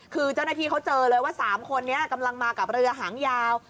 คือเจ้าหน้าที่เขาเจอเลยว่า๓คนนี้กำลังมากับเรือหางยาว